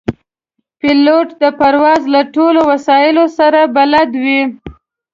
پیلوټ د پرواز له ټولو وسایلو سره بلد وي.